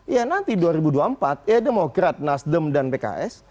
ya nanti dua ribu dua puluh empat ya demokrat nasdem dan pks